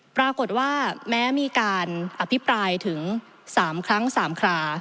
ปรากฏว่าแม้มีการอภิปรายถึง๓ครั้ง๓ครา